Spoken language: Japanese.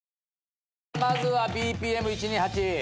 まずはＢＰＭ１２８。